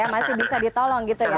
masih bisa ditolong gitu ya